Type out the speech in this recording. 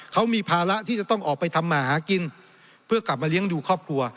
เขามีภาระที่จะต้องออกไปทำมาหากินเพื่อกลับมาเลี้ยงดูครอบครัว